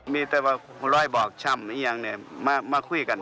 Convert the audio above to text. มีแต่ว่ารอยบอกช้ำมาคุยกัน